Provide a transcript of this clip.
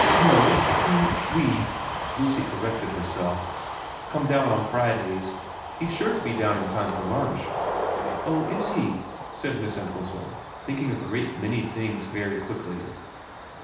' No. He we,' Lucy corrected herself, ' come down on Fridays. He's sure to be down in time for lunch.' * Oh is he ?' said Miss Entwhistle, thinking a great many things very quickly.